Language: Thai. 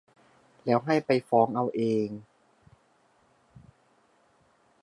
แล้วให้ไปฟ้องเอาเอง